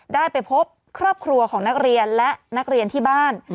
ได้ไปพบครอบครัวของนักเรียนและนักเรียนที่บ้าน